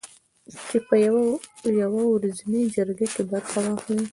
چې په یوه ورځنۍ جرګه کې برخه واخلي